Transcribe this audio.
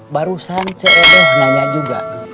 barusan cebo nanya juga